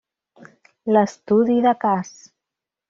L'estudi de Cas.